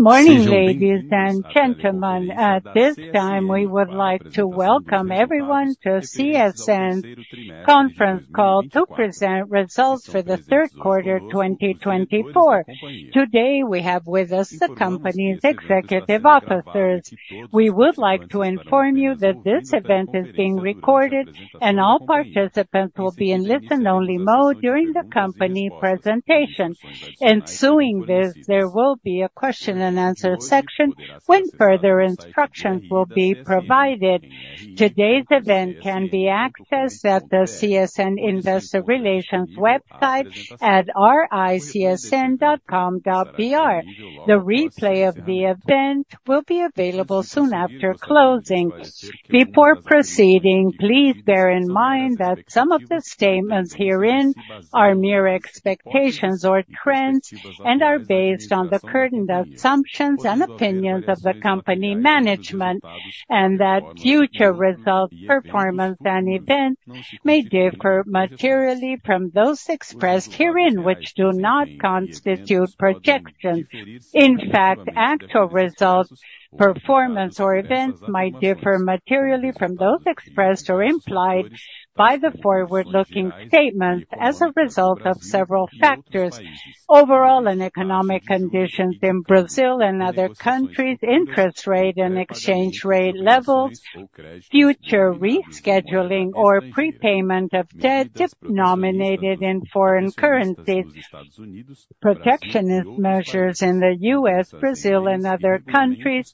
Morning, ladies and gentlemen. At this time, we would like to welcome everyone to a CSN Conference Call to present results for the third quarter 2024. Today, we have with us the company's executive officers. We would like to inform you that this event is being recorded, and all participants will be in listen-only mode during the company presentation. Ensuring this, there will be a question-and-answer section when further instructions will be provided. Today's event can be accessed at the CSN Investor Relations website at ri.csn.com.br. The replay of the event will be available soon after closing. Before proceeding, please bear in mind that some of the statements herein are mere expectations or trends and are based on the current assumptions and opinions of the company management, and that future results, performance, and events may differ materially from those expressed here, which do not constitute projections. In fact, actual results, performance, or events might differ materially from those expressed or implied by the forward-looking statements as a result of several factors: overall and economic conditions in Brazil and other countries, interest rate and exchange rate levels, future rescheduling or prepayment of debt denominated in foreign currencies, protectionist measures in the U.S., Brazil, and other countries,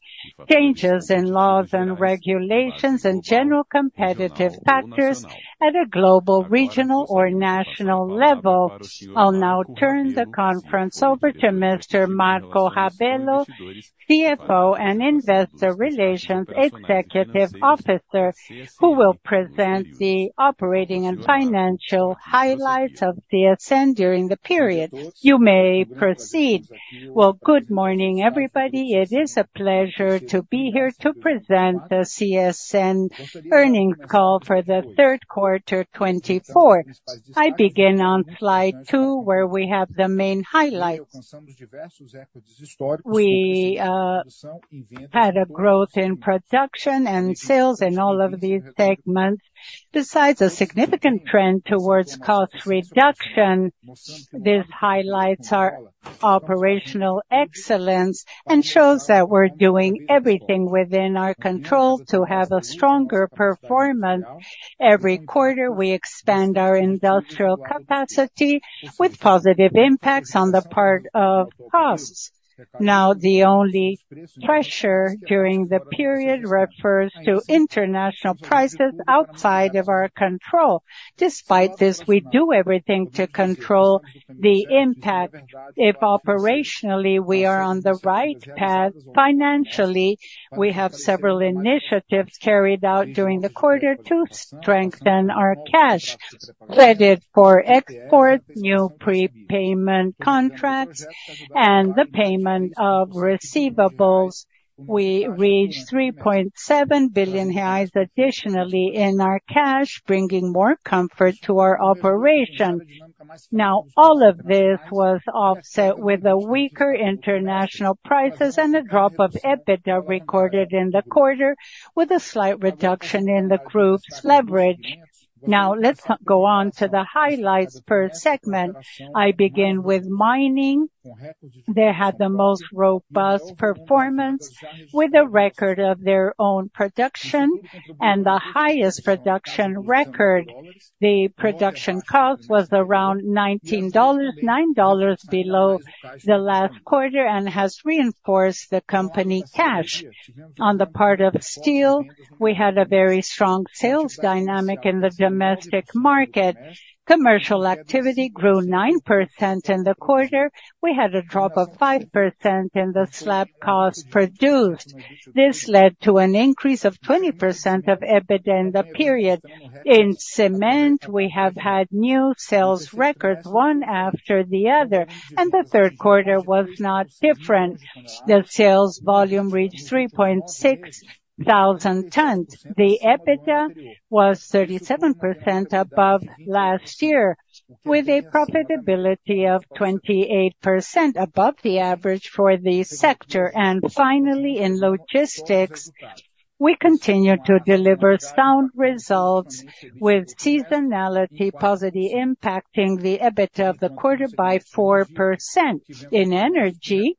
changes in laws and regulations, and general competitive factors at a global, regional, or national level. I'll now turn the conference over to Mr. Marco Rabello, CFO and Investor Relations Executive Officer, who will present the operating and financial highlights of CSN during the period. You may proceed. Good morning, everybody. It is a pleasure to be here to present the CSN earnings call for the third quarter 2024. I begin on slide two, where we have the main highlights. We had a growth in production and sales in all of these segments. Besides a significant trend towards cost reduction, these highlights are operational excellence and show that we're doing everything within our control to have a stronger performance. Every quarter, we expand our industrial capacity with positive impacts on the part of costs. Now, the only pressure during the period refers to international prices outside of our control. Despite this, we do everything to control the impact. If operationally we are on the right path, financially we have several initiatives carried out during the quarter to strengthen our cash, credit for exports, new prepayment contracts, and the payment of receivables. We reached 3.7 billion reais additionally in our cash, bringing more comfort to our operation. Now, all of this was offset with weaker international prices and a drop of EBITDA recorded in the quarter, with a slight reduction in the group's leverage. Now, let's go on to the highlights per segment. I begin with mining. They had the most robust performance with a record of their own production and the highest production record. The production cost was around $19, $9 below the last quarter and has reinforced the company cash. On the part of steel, we had a very strong sales dynamic in the domestic market. Commercial activity grew 9% in the quarter. We had a drop of 5% in the slab cost produced. This led to an increase of 20% of EBITDA in the period. In cement, we have had new sales records, one after the other, and the third quarter was not different. The sales volume reached 3.6 thousand tons. The EBITDA was 37% above last year, with a profitability of 28% above the average for the sector, and finally, in logistics, we continue to deliver sound results with seasonality positive impacting the EBITDA of the quarter by 4%. In energy,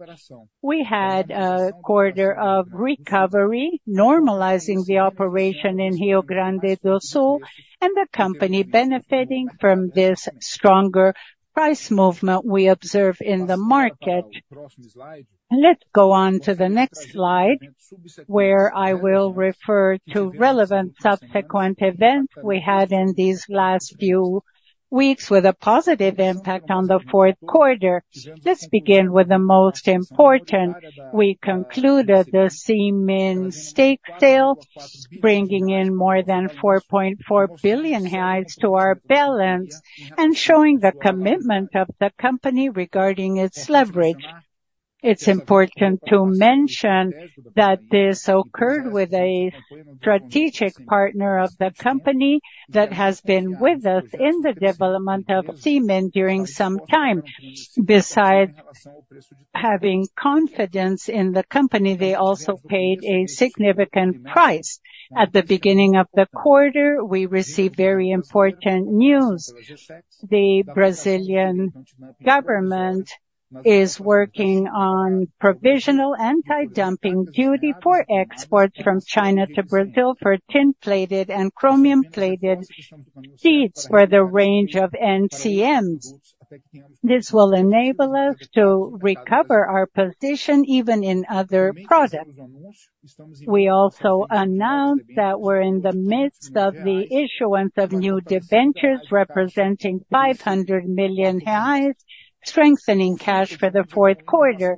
we had a quarter of recovery, normalizing the operation in Rio Grande do Sul, and the company benefiting from this stronger price movement we observe in the market. Let's go on to the next slide, where I will refer to relevant subsequent events we had in these last few weeks with a positive impact on the fourth quarter. Let's begin with the most important. We concluded the cement stake sale, bringing in more than 4.4 billion to our balance and showing the commitment of the company regarding its leverage. It's important to mention that this occurred with a strategic partner of the company that has been with us in the development of cement during some time. Besides having confidence in the company, they also paid a significant price. At the beginning of the quarter, we received very important news. The Brazilian government is working on provisional anti-dumping duty for exports from China to Brazil for tin-plated and chromium-plated sheets for the range of NCMs. This will enable us to recover our position even in other products. We also announced that we're in the midst of the issuance of new debentures representing 500 million reais, strengthening cash for the fourth quarter.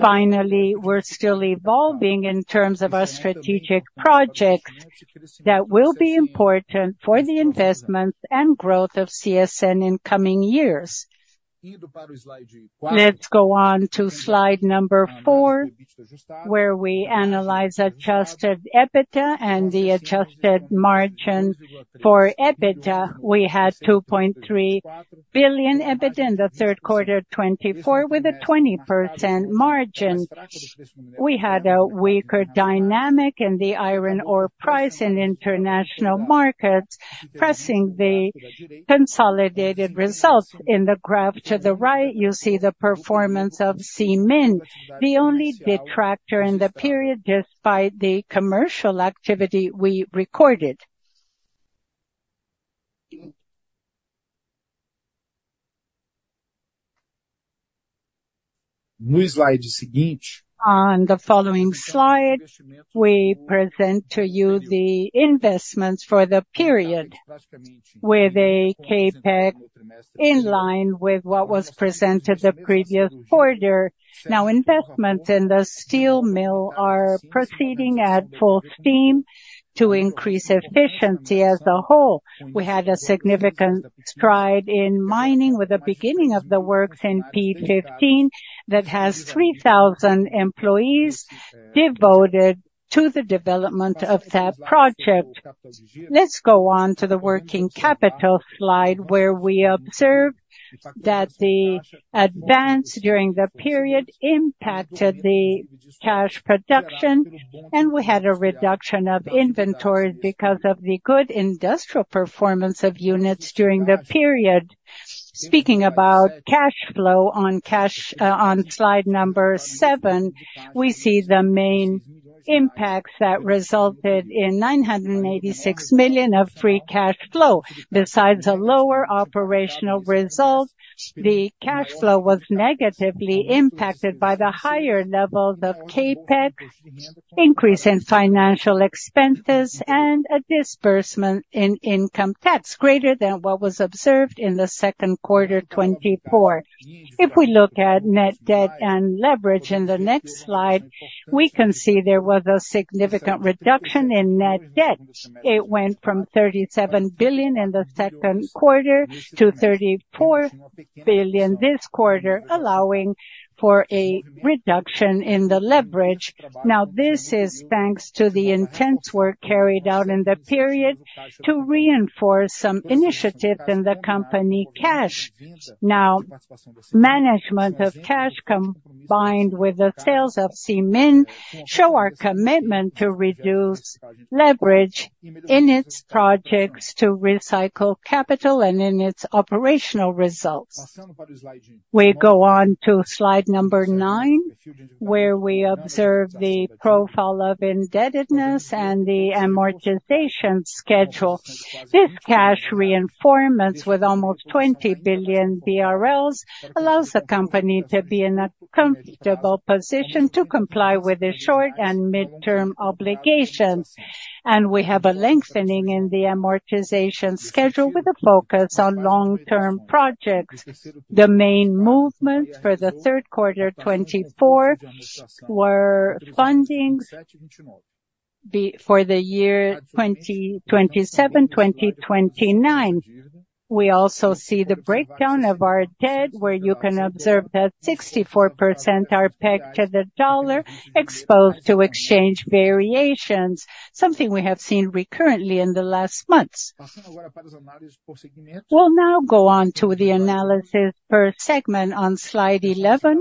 Finally, we're still evolving in terms of our strategic projects that will be important for the investments and growth of CSN in coming years. Let's go on to slide number four, where we analyze adjusted EBITDA and the adjusted margin for EBITDA. We had 2.3 billion EBITDA in the third quarter 2024 with a 20% margin. We had a weaker dynamic in the iron ore price in international markets, pressing the consolidated results. In the graph to the right, you see the performance of cement, the only detractor in the period despite the commercial activity we recorded. On the following slide, we present to you the investments for the period with a CapEx in line with what was presented the previous quarter. Now, investments in the steel mill are proceeding at full steam to increase efficiency as a whole. We had a significant stride in mining with the beginning of the works in P15 that has 3,000 employees devoted to the development of that project. Let's go on to the working capital slide, where we observed that the advance during the period impacted the cash production, and we had a reduction of inventory because of the good industrial performance of units during the period. Speaking about cash flow on slide number seven, we see the main impacts that resulted in 986 million of free cash flow. Besides a lower operational result, the cash flow was negatively impacted by the higher levels of CAPEX, increase in financial expenses, and a disbursement in income tax greater than what was observed in the second quarter 2024. If we look at net debt and leverage in the next slide, we can see there was a significant reduction in net debt. It went from 37 billion in the second quarter to 34 billion this quarter, allowing for a reduction in the leverage. Now, this is thanks to the intense work carried out in the period to reinforce some initiatives in the company cash. Now, management of cash combined with the sales of cement show our commitment to reduce leverage in its projects to recycle capital and in its operational results. We go on to slide number nine, where we observe the profile of indebtedness and the amortization schedule. This cash reinforcement with almost 20 billion BRL allows the company to be in a comfortable position to comply with its short and midterm obligations, and we have a lengthening in the amortization schedule with a focus on long-term projects. The main movements for the third quarter 2024 were fundings for the year 2027 to 2029. We also see the breakdown of our debt, where you can observe that 64% are pegged to the dollar, exposed to exchange variations, something we have seen recurrently in the last months. We'll now go on to the analysis per segment on slide 11,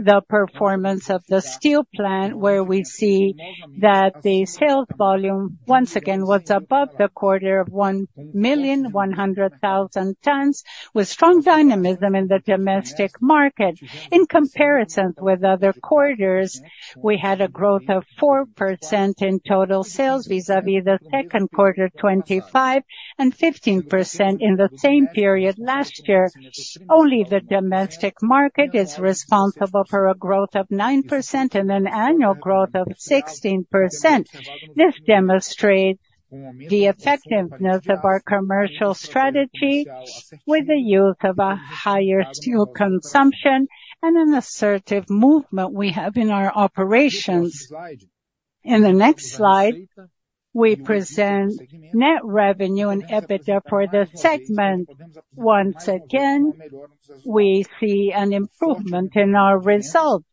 the performance of the steel plant, where we see that the sales volume once again was above the quarter of 1,100,000 tons, with strong dynamism in the domestic market. In comparison with other quarters, we had a growth of 4% in total sales vis-à-vis the second quarter 2025 and 15% in the same period last year. Only the domestic market is responsible for a growth of 9% and an annual growth of 16%. This demonstrates the effectiveness of our commercial strategy with the use of a higher steel consumption and an assertive movement we have in our operations. In the next slide, we present net revenue and EBITDA for the segment. Once again, we see an improvement in our result.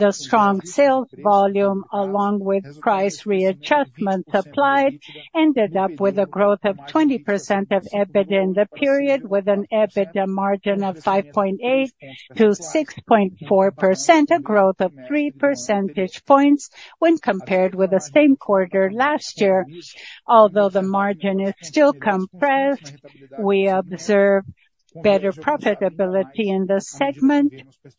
The strong sales volume, along with price readjustments applied, ended up with a growth of 20% of EBITDA in the period, with an EBITDA margin of 5.8% to 6.4%, a growth of 3 percentage points when compared with the same quarter last year. Although the margin is still compressed, we observe better profitability in the segment,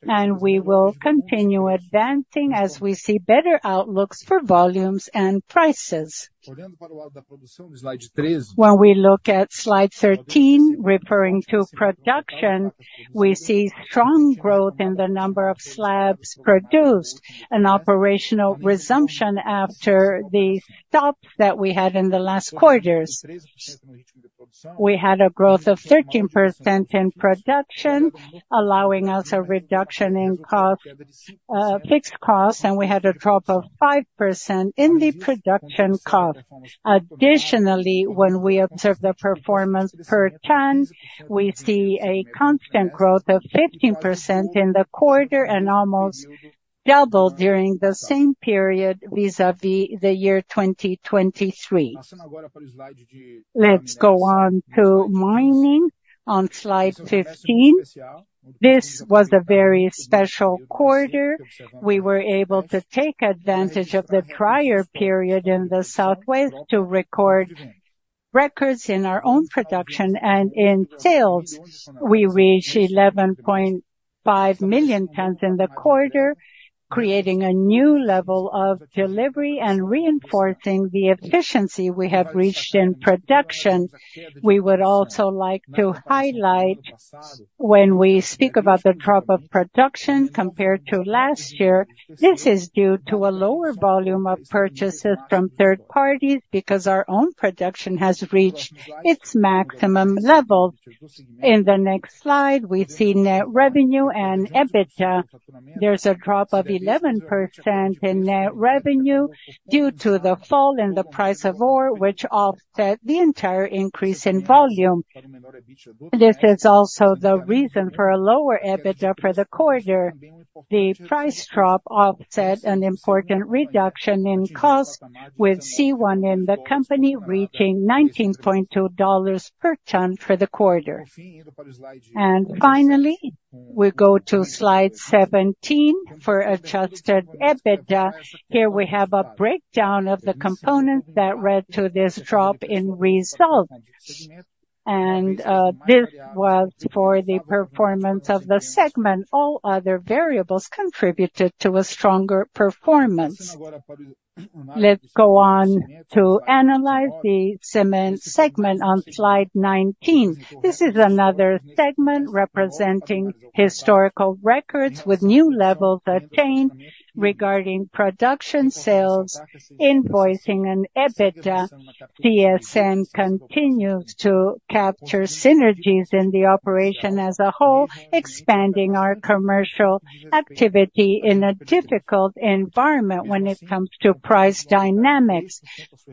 and we will continue advancing as we see better outlooks for volumes and prices. When we look at slide 13, referring to production, we see strong growth in the number of slabs produced, an operational resumption after the stops that we had in the last quarters. We had a growth of 13% in production, allowing us a reduction in cost, fixed costs, and we had a drop of 5% in the production cost. Additionally, when we observe the performance per ton, we see a constant growth of 15% in the quarter and almost double during the same period vis-à-vis the year 2023. Let's go on to mining on slide 15. This was a very special quarter. We were able to take advantage of the prior period in the southwest to record records in our own production and in sales. We reached 11.5 million tons in the quarter, creating a new level of delivery and reinforcing the efficiency we have reached in production. We would also like to highlight when we speak about the drop of production compared to last year. This is due to a lower volume of purchases from third parties because our own production has reached its maximum level. In the next slide, we see net revenue and EBITDA. There's a drop of 11% in net revenue due to the fall in the price of ore, which offset the entire increase in volume. This is also the reason for a lower EBITDA for the quarter. The price drop offset an important reduction in cost, with C1 in the company reaching $19.2 per ton for the quarter. And finally, we go to slide 17 for adjusted EBITDA. Here we have a breakdown of the components that led to this drop in result. And this was for the performance of the segment. All other variables contributed to a stronger performance. Let's go on to analyze the cement segment on slide 19. This is another segment representing historical records with new levels attained regarding production sales, invoicing, and EBITDA. CSN continues to capture synergies in the operation as a whole, expanding our commercial activity in a difficult environment when it comes to price dynamics.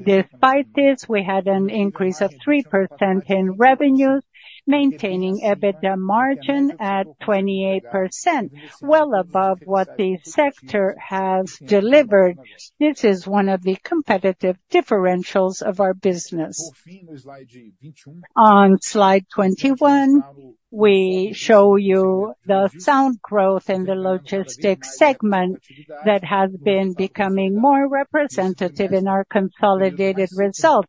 Despite this, we had an increase of 3% in revenues, maintaining EBITDA margin at 28%, well above what the sector has delivered. This is one of the competitive differentials of our business. On slide 21, we show you the sound growth in the logistics segment that has been becoming more representative in our consolidated result.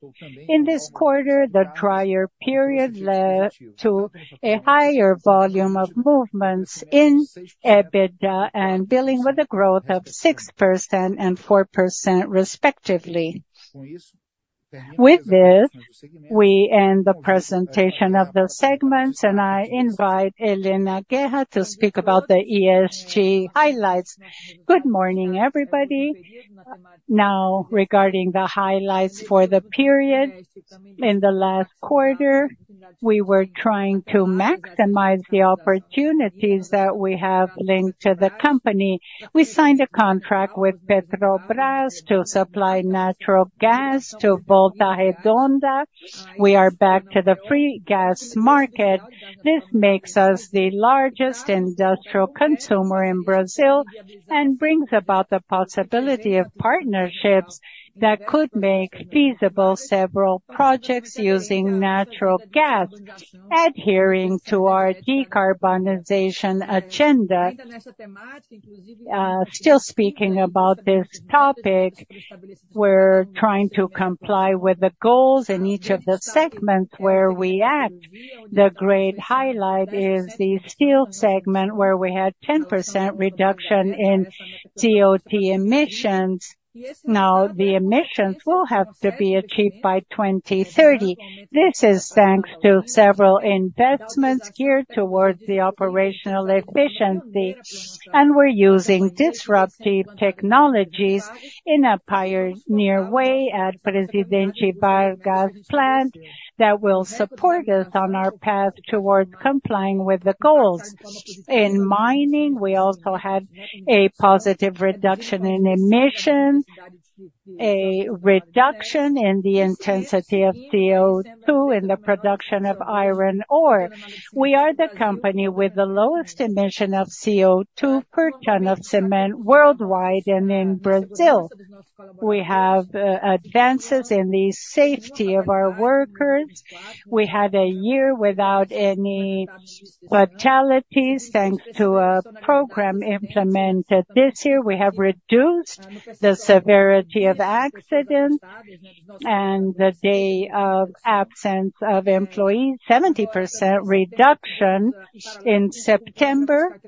In this quarter, the drier period led to a higher volume of movements in EBITDA and billing with a growth of 6% and 4%, respectively. With this, we end the presentation of the segments, and I invite Helena Guerra to speak about the ESG highlights. Good morning, everybody. Now, regarding the highlights for the period in the last quarter, we were trying to maximize the opportunities that we have linked to the company. We signed a contract with Petrobras to supply natural gas to Volta Redonda. We are back to the free gas market. This makes us the largest industrial consumer in Brazil and brings about the possibility of partnerships that could make feasible several projects using natural gas, adhering to our decarbonization agenda. Still speaking about this topic, we're trying to comply with the goals in each of the segments where we act. The great highlight is the steel segment, where we had 10% reduction in CO2 emissions. Now, the emissions will have to be achieved by 2030. This is thanks to several investments geared towards the operational efficiency. We're using disruptive technologies in a pioneer way at Presidente Vargas Plant that will support us on our path towards complying with the goals. In mining, we also had a positive reduction in emissions, a reduction in the intensity of CO2 in the production of iron ore. We are the company with the lowest emission of CO2 per ton of cement worldwide and in Brazil. We have advances in the safety of our workers. We had a year without any fatalities thanks to a program implemented this year. We have reduced the severity of accidents and the day of absence of employees, 70% reduction in September.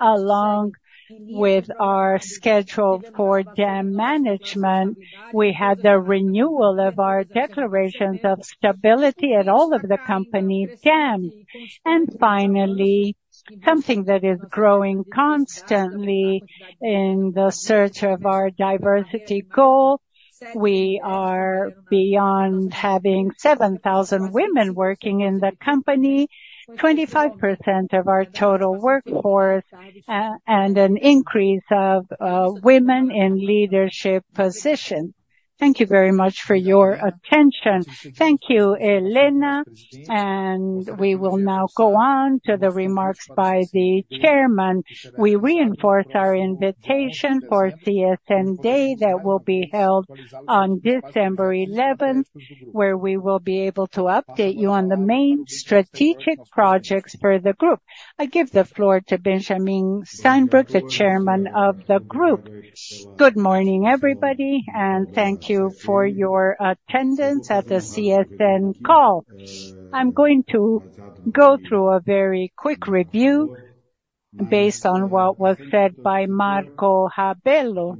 Along with our schedule for dam management, we had the renewal of our declarations of stability at all of the company dams. Finally, something that is growing constantly in the search of our diversity goal, we are beyond having 7,000 women working in the company, 25% of our total workforce, and an increase of women in leadership positions. Thank you very much for your attention. Thank you, Helena. We will now go on to the remarks by the chairman. We reinforce our invitation for CSN Day that will be held on December 11th, where we will be able to update you on the main strategic projects for the group. I give the floor to Benjamin Steinbruch, the chairman of the group. Good morning, everybody, and thank you for your attendance at the CSN call. I'm going to go through a very quick review based on what was said by Marco Rabello.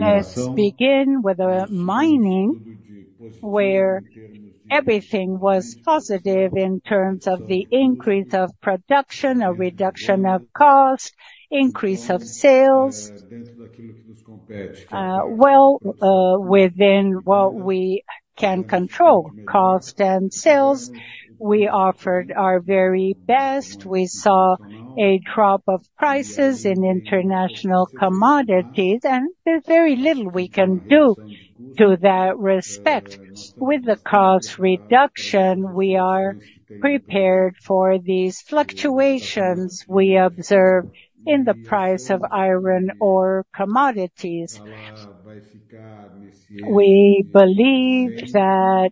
Let's begin with the mining, where everything was positive in terms of the increase of production, a reduction of cost, increase of sales, well, within what we can control, cost and sales. We offered our very best. We saw a drop of prices in international commodities, and there's very little we can do to that respect. With the cost reduction, we are prepared for these fluctuations we observe in the price of iron ore commodities. We believe that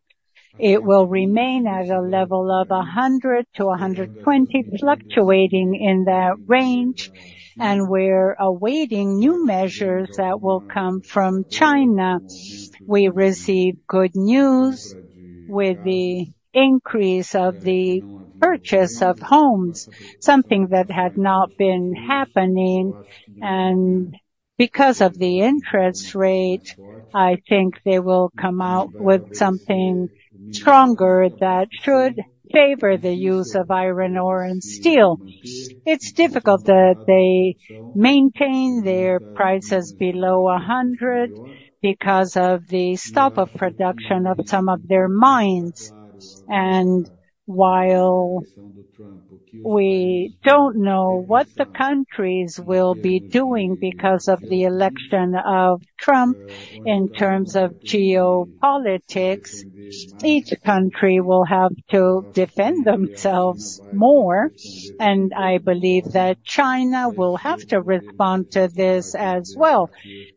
it will remain at a level of $100 to $120, fluctuating in that range, and we're awaiting new measures that will come from China. We received good news with the increase of the purchase of homes, something that had not been happening. Because of the interest rate, I think they will come out with something stronger that should favor the use of iron ore and steel. It's difficult that they maintain their prices below 100 because of the stop of production of some of their mines. While we don't know what the countries will be doing because of the election of Trump, in terms of geopolitics, each country will have to defend themselves more. I believe that China will have to respond to this as well,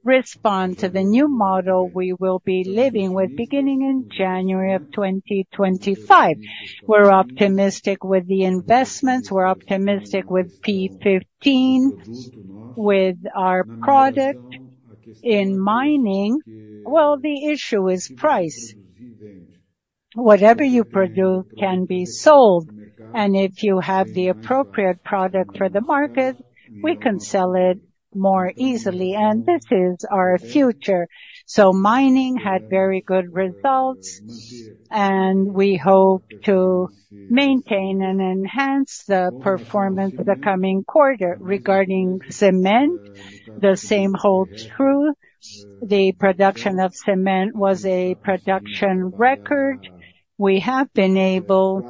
respond to the new model we will be living with beginning in January of 2025. We're optimistic with the investments. We're optimistic with P15, with our product in mining. Well, the issue is price. Whatever you produce can be sold. If you have the appropriate product for the market, we can sell it more easily. This is our future. Mining had very good results, and we hope to maintain and enhance the performance of the coming quarter. Regarding cement, the same holds true. The production of cement was a production record. We have been able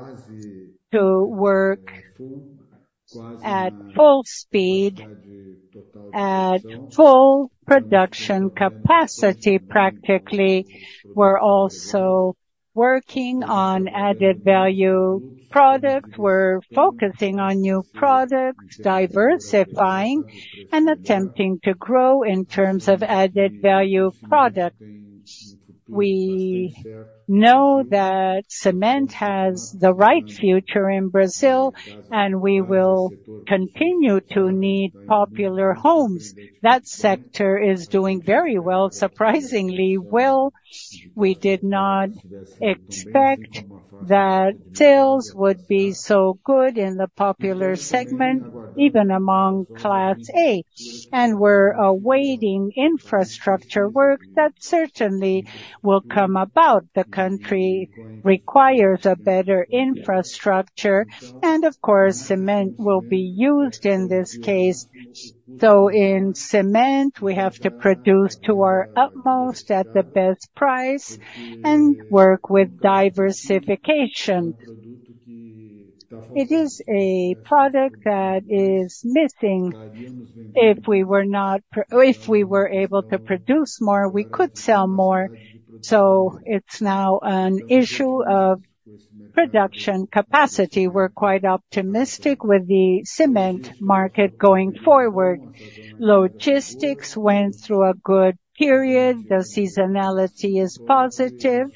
to work at full speed, at full production capacity practically. We're also working on added value products. We're focusing on new products, diversifying, and attempting to grow in terms of added value products. We know that cement has the right future in Brazil, and we will continue to need popular homes. That sector is doing very well, surprisingly well. We did not expect that sales would be so good in the popular segment, even among Class A, and we're awaiting infrastructure work that certainly will come about. The country requires a better infrastructure, and of course, cement will be used in this case. So in cement, we have to produce to our utmost at the best price and work with diversification. It is a product that is missing. If we were able to produce more, we could sell more. So it's now an issue of production capacity. We're quite optimistic with the cement market going forward. Logistics went through a good period. The seasonality is positive,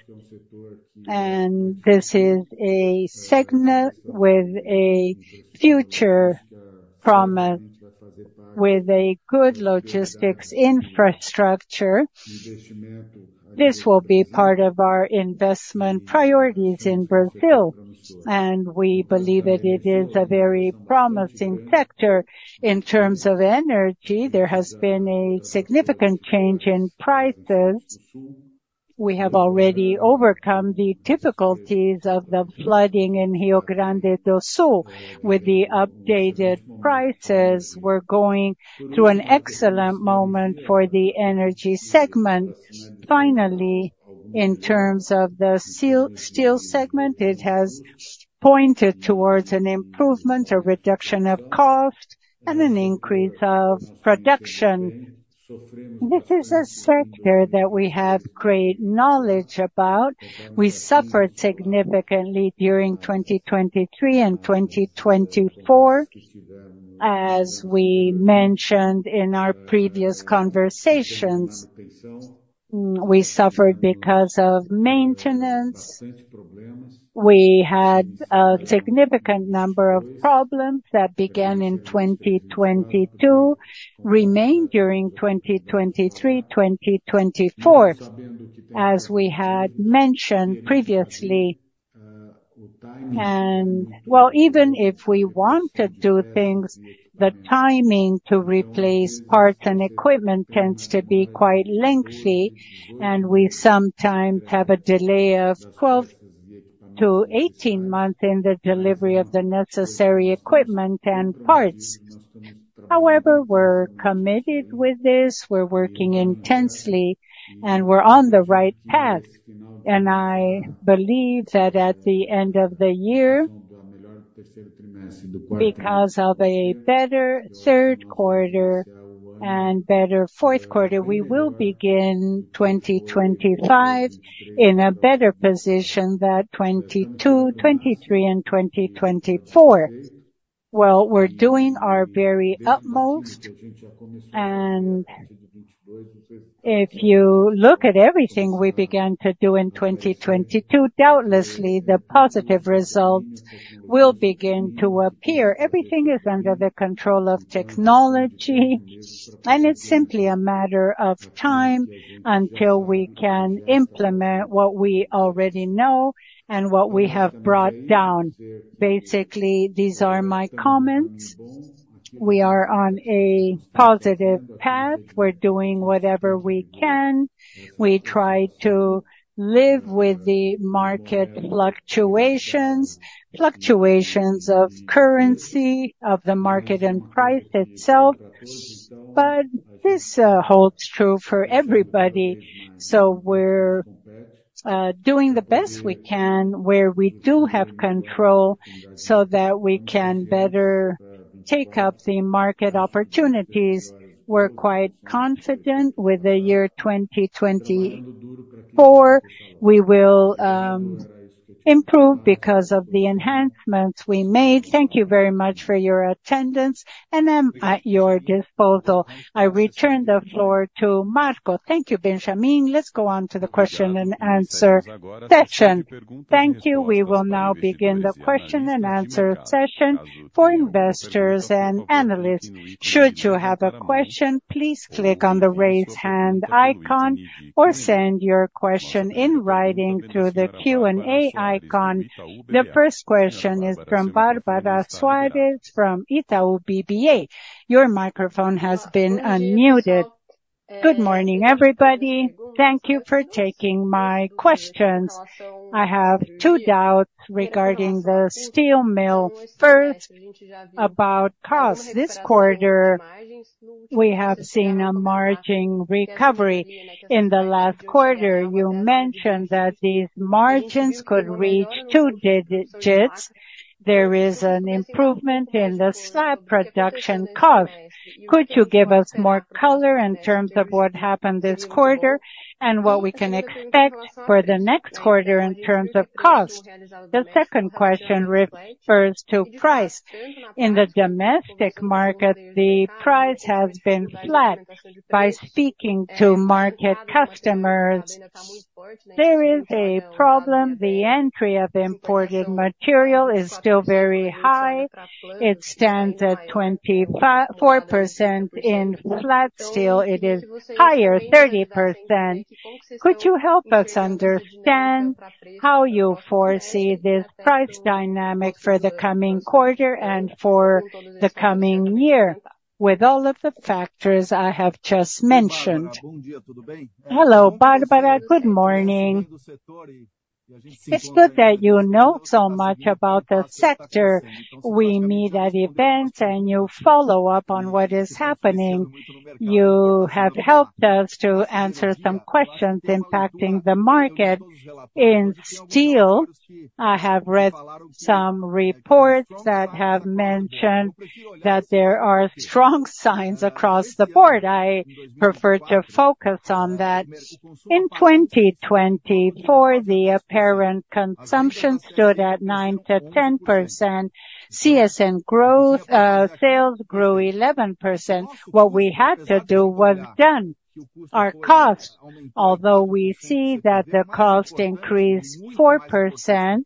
and this is a segment with a future promise, with a good logistics infrastructure. This will be part of our investment priorities in Brazil, and we believe that it is a very promising sector. In terms of energy, there has been a significant change in prices. We have already overcome the difficulties of the flooding in Rio Grande do Sul. With the updated prices, we're going through an excellent moment for the energy segment. Finally, in terms of the steel segment, it has pointed towards an improvement, a reduction of cost, and an increase of production. This is a sector that we have great knowledge about. We suffered significantly during 2023 and 2024, as we mentioned in our previous conversations. We suffered because of maintenance. We had a significant number of problems that began in 2022, remained during 2023, 2024, as we had mentioned previously, and well, even if we want to do things, the timing to replace parts and equipment tends to be quite lengthy, and we sometimes have a delay of 12-18 months in the delivery of the necessary equipment and parts. However, we're committed with this. We're working intensely, and we're on the right path, and I believe that at the end of the year, because of a better third quarter and better fourth quarter, we will begin 2025 in a better position than 2022, 2023, and 2024, well, we're doing our very utmost. And if you look at everything we began to do in 2022, doubtlessly the positive results will begin to appear. Everything is under the control of technology, and it's simply a matter of time until we can implement what we already know and what we have brought down. Basically, these are my comments. We are on a positive path. We're doing whatever we can. We try to live with the market fluctuations, fluctuations of currency, of the market and price itself. But this holds true for everybody. So we're doing the best we can, where we do have control, so that we can better take up the market opportunities. We're quite confident with the year 2024. We will improve because of the enhancements we made. Thank you very much for your attendance, and I'm at your disposal. I return the floor to Marco. Thank you, Benjamin. Let's go on to the question and answer session. Thank you. We will now begin the question and answer session for investors and analysts. Should you have a question, please click on the raise hand icon or send your question in writing through the Q&A icon. The first question is from Bárbara Soares from Itaú BBA. Your microphone has been unmuted. Good morning, everybody. Thank you for taking my questions. I have two doubts regarding the steel mill. First, about costs. This quarter, we have seen a margin recovery. In the last quarter, you mentioned that these margins could reach two digits. There is an improvement in the slab production cost. Could you give us more color in terms of what happened this quarter and what we can expect for the next quarter in terms of cost? The second question refers to price. In the domestic market, the price has been flat. By speaking to market customers, there is a problem. The entry of imported material is still very high. It stands at 24% in flat steel. It is higher, 30%. Could you help us understand how you foresee this price dynamic for the coming quarter and for the coming year with all of the factors I have just mentioned? Hello, Bárbara. Good morning. It's good that you know so much about the sector. We meet at events, and you follow up on what is happening. You have helped us to answer some questions impacting the market in steel. I have read some reports that have mentioned that there are strong signs across the board. I prefer to focus on that. In 2024, the apparent consumption stood at 9% to 10%. CSN growth, sales grew 11%. What we had to do was done: our cost. Although we see that the cost increased 4%,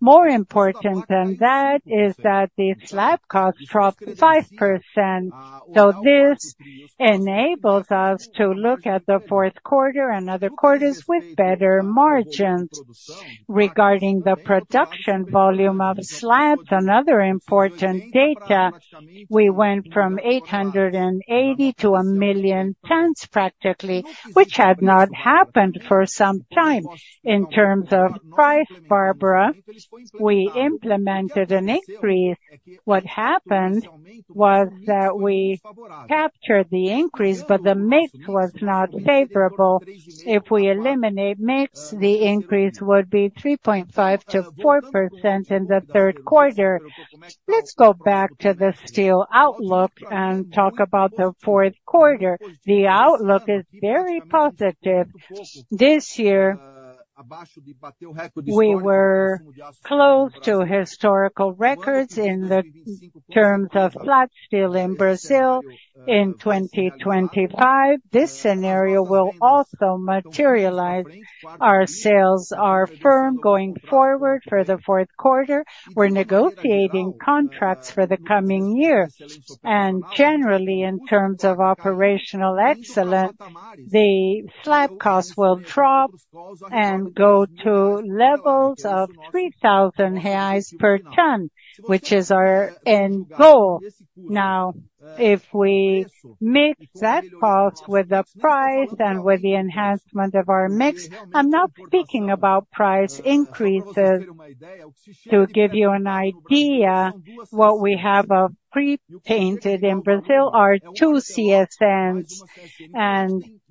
more important than that is that the slab cost dropped 5%. So this enables us to look at the fourth quarter and other quarters with better margins. Regarding the production volume of slabs and other important data, we went from 880 to a million tons practically, which had not happened for some time. In terms of price, Bárbara, we implemented an increase. What happened was that we captured the increase, but the mix was not favorable. If we eliminate mix, the increase would be 3.5% to 4% in the third quarter. Let's go back to the steel outlook and talk about the fourth quarter. The outlook is very positive. This year, we were close to historical records in terms of flat steel in Brazil. In 2025, this scenario will also materialize. Our sales are firm going forward for the fourth quarter. We're negotiating contracts for the coming year. Generally, in terms of operational excellence, the slab cost will drop and go to levels of 3,000 reais per ton, which is our end goal. Now, if we meet that cost with the price and with the enhancement of our mix, I'm not speaking about price increases. To give you an idea, what we have pre-painted in Brazil are two CSNs.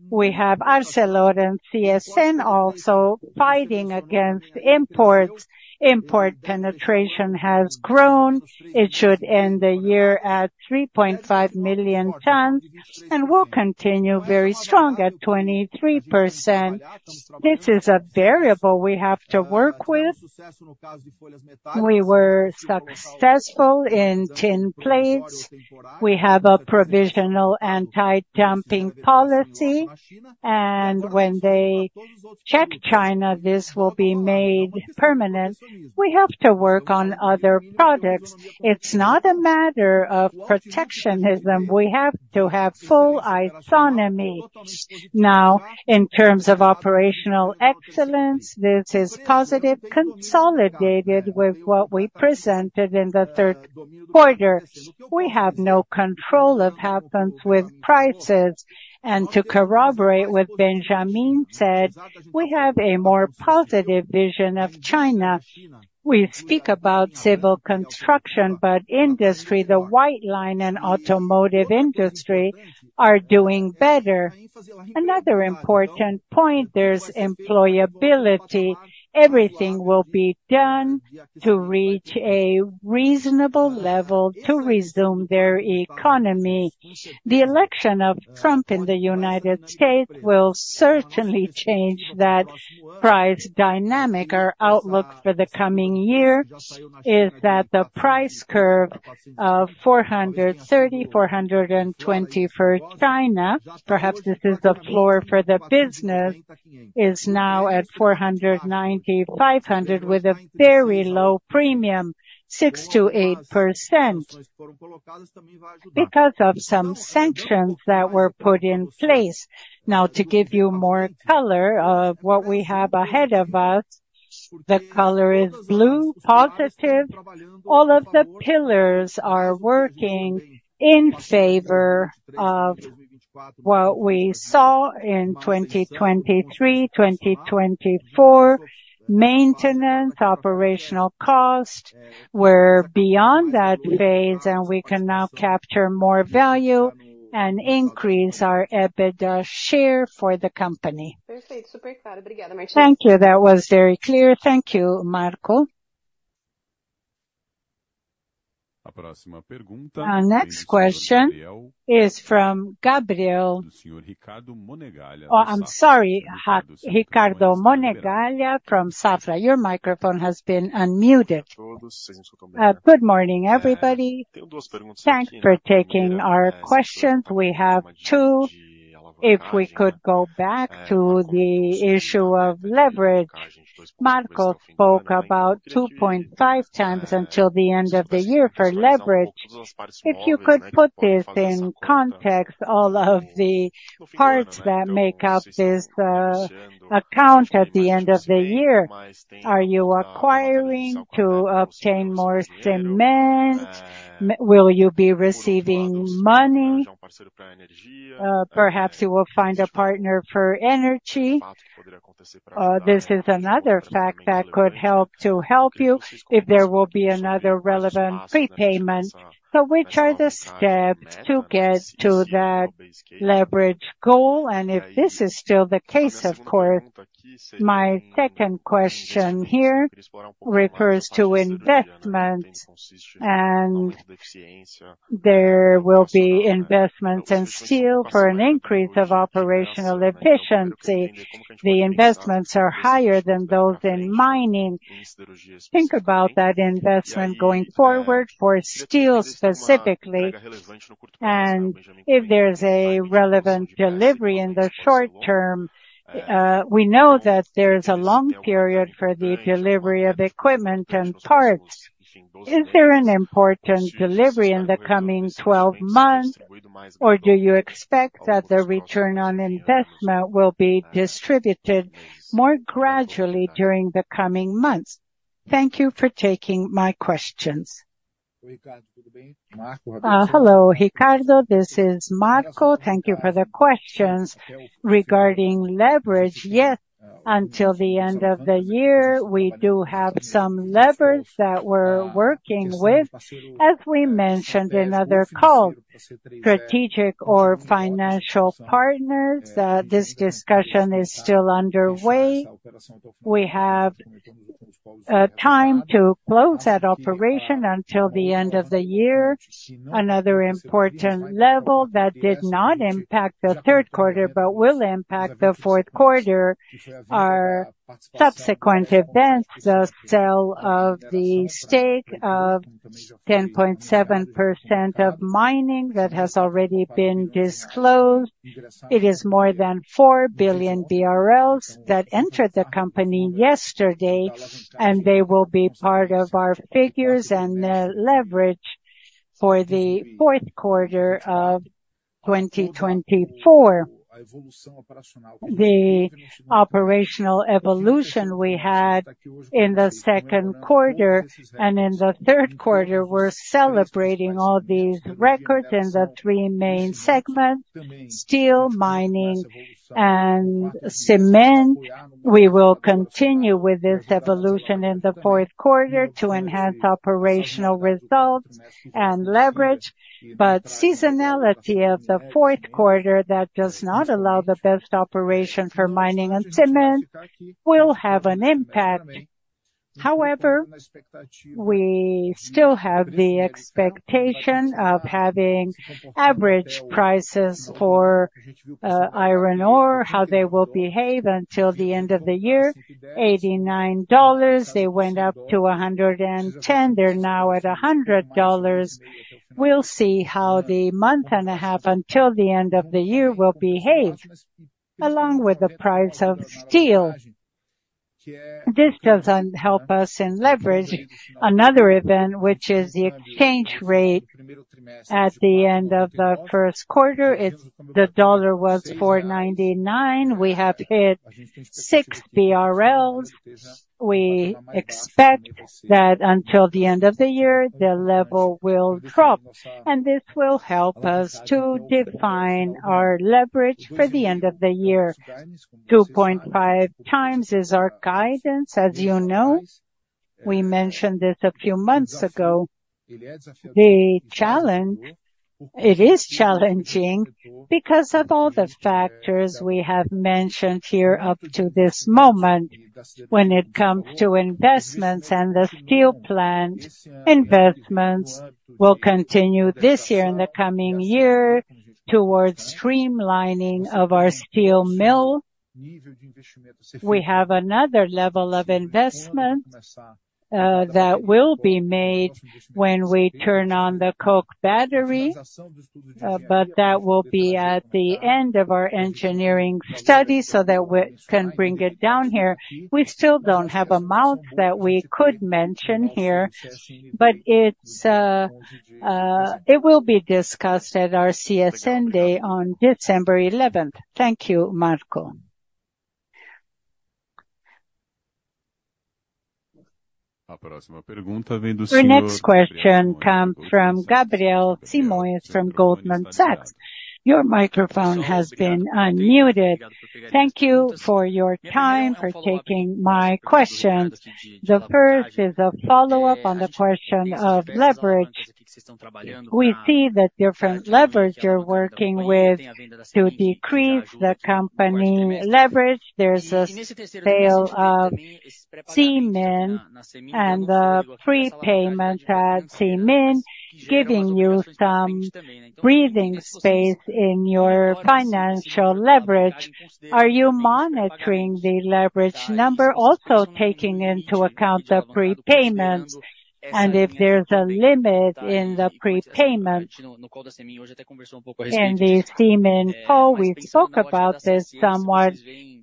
We have Arcelor and CSN also fighting against imports. Import penetration has grown. It should end the year at 3.5 million tons, and we'll continue very strong at 23%. This is a variable we have to work with. We were successful in tin plates. We have a provisional anti-dumping policy. When they check China, this will be made permanent. We have to work on other products. It's not a matter of protectionism. We have to have full isonomy. Now, in terms of operational excellence, this is positive, consolidated with what we presented in the third quarter. We have no control of what happens with prices, and to corroborate what Benjamin said, we have a more positive vision of China. We speak about civil construction, but industry, the white line and automotive industry are doing better. Another important point, there's employability. Everything will be done to reach a reasonable level to resume their economy. The election of Trump in the United States will certainly change that price dynamic. Our outlook for the coming year is that the price curve of 430, 420 for China, perhaps this is the floor for the business, is now at 490, 500 with a very low premium, 6% to 8%, because of some sanctions that were put in place. Now, to give you more color of what we have ahead of us, the color is blue, positive. All of the pillars are working in favor of what we saw in 2023, 2024. Maintenance, operational costs were beyond that phase, and we can now capture more value and increase our EBITDA share for the company. Thank you. That was very clear. Thank you, Marco. Our next question is from Gabriel. Oh, I'm sorry, Ricardo Monegaglia from Safra. Your microphone has been unmuted. Good morning, everybody. Thanks for taking our questions. We have two. If we could go back to the issue of leverage, Marco spoke about 2.5 times until the end of the year for leverage. If you could put this in context, all of the parts that make up this account at the end of the year, are you acquiring to obtain more cement? Will you be receiving money? Perhaps you will find a partner for energy. This is another fact that could help you if there will be another relevant prepayment. So which are the steps to get to that leverage goal? And if this is still the case, of course, my second question here refers to investments, and there will be investments in steel for an increase of operational efficiency. The investments are higher than those in mining. Think about that investment going forward for steel specifically. And if there's a relevant delivery in the short term, we know that there's a long period for the delivery of equipment and parts. Is there an important delivery in the coming 12 months, or do you expect that the return on investment will be distributed more gradually during the coming months? Thank you for taking my questions. Hello, Ricardo. This is Marco. Thank you for the questions regarding leverage. Yes, until the end of the year, we do have some leverage that we're working with, as we mentioned in other calls. Strategic or financial partners, this discussion is still underway. We have time to close that operation until the end of the year. Another important level that did not impact the third quarter but will impact the fourth quarter are subsequent events: the sale of the stake of 10.7% of mining that has already been disclosed. It is more than 4 billion BRL that entered the company yesterday, and they will be part of our figures and the leverage for the fourth quarter of 2024. The operational evolution we had in the second quarter and in the third quarter, we're celebrating all these records in the three main segments: steel, mining, and cement. We will continue with this evolution in the fourth quarter to enhance operational results and leverage, but seasonality of the fourth quarter that does not allow the best operation for mining and cement will have an impact. However, we still have the expectation of having average prices for iron ore, how they will behave until the end of the year. $89, they went up to $110. They're now at $100. We'll see how the month and a half until the end of the year will behave along with the price of steel. This doesn't help us in leverage. Another event, which is the exchange rate at the end of the first quarter, the dollar was 4.99. We have hit 6 BRL. We expect that until the end of the year, the level will drop, and this will help us to define our leverage for the end of the year. 2.5 times is our guidance, as you know. We mentioned this a few months ago. The challenge, it is challenging because of all the factors we have mentioned here up to this moment when it comes to investments and the steel plant investments. We'll continue this year and the coming year towards streamlining of our steel mill. We have another level of investment that will be made when we turn on the coke battery, but that will be at the end of our engineering study so that we can bring it down here. We still don't have amounts that we could mention here, but it will be discussed at our CSN day on December 11th. Thank you, Marco. Our next question comes from Gabriel Simões from Goldman Sachs. Your microphone has been unmuted. Thank you for your time for taking my questions. The first is a follow-up on the question of leverage. We see that different leverage you're working with to decrease the company leverage. There's a sale of cement and the prepayments at cement, giving you some breathing space in your financial leverage. Are you monitoring the leverage number, also taking into account the prepayments? And if there's a limit in the prepayments in the cement pole, we spoke about this somewhat,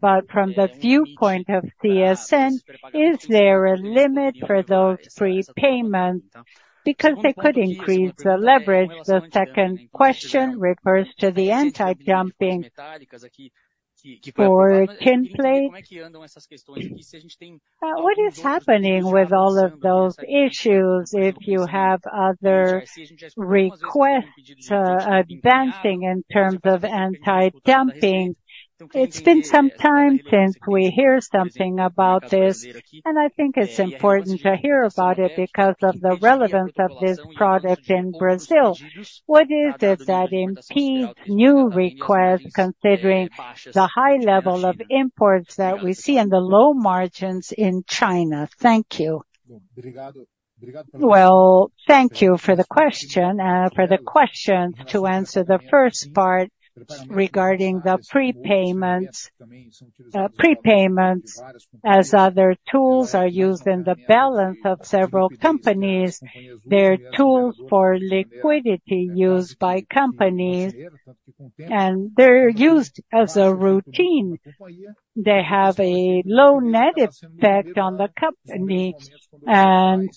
but from the viewpoint of CSN, is there a limit for those prepayments because they could increase the leverage? The second question refers to the anti-dumping for tin plates. What is happening with all of those issues if you have other requests advancing in terms of anti-dumping? It's been some time since we hear something about this, and I think it's important to hear about it because of the relevance of this product in Brazil. What is it that impedes new requests considering the high level of imports that we see and the low margins in China? Thank you. Well, thank you for the question. For the questions to answer the first part regarding the prepayments, as other tools are used in the balance of several companies, they're tools for liquidity used by companies, and they're used as a routine. They have a low net effect on the company, and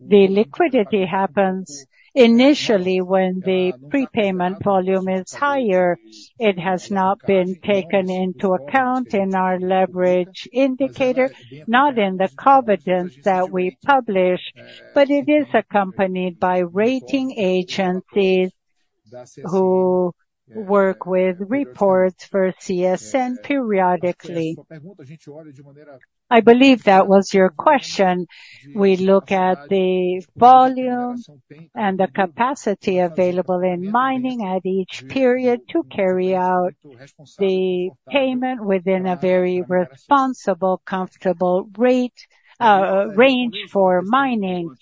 the liquidity happens initially when the prepayment volume is higher. It has not been taken into account in our leverage indicator, not in the covenants that we publish, but it is accompanied by rating agencies who work with reports for CSN periodically. I believe that was your question. We look at the volume and the capacity available in mining at each period to carry out the payment within a very responsible, comfortable range for mining.